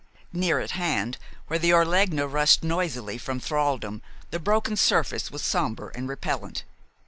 Near at hand, where the Orlegna rushed noisily from thraldom, the broken surface was somber and repellent.